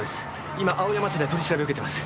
今青山署で取り調べ受けてます。